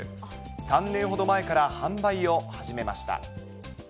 ３年ほど前から販売を始めました。